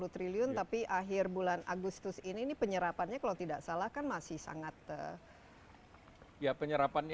dua puluh triliun tapi akhir bulan agustus ini penyerapannya kalau tidak salah kan masih sangat ya penyerapannya